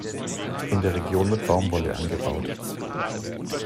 In der Region wird Baumwolle angebaut.